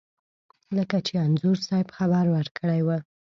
لکه چې انځور صاحب خبر ورکړی و.